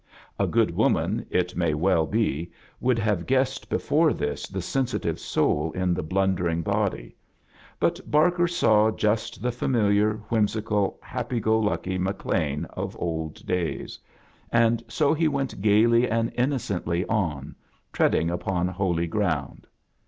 A good woman, it may weU be, would have guessed before this the sensHive soul in the blundering body; but Barker saw just the familiar, Di^iimaical, bappy go lucky McLean of old days, and ^ A JOURNEY m SEARCH OF CHRISTMAS SO he went gayly and innocently on, tread ing upon holy ground.